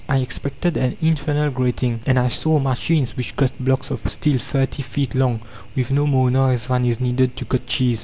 I expected an infernal grating, and I saw machines which cut blocks of steel thirty feet long with no more noise than is needed to cut cheese.